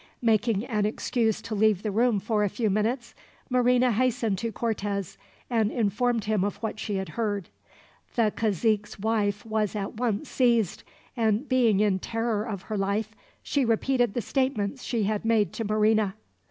Making an excuse to leave the room for a few minutes, Marina hastened to Cortez and informed him of what she had heard. The cazique's wife was at once seized, and being in terror of her life, she repeated the statements she had made to Marina.